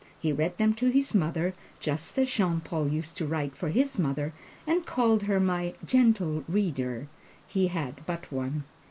He read them to his mother, just as Jean Paul used to write for his mother and call her "my Gentle Reader" he had but one.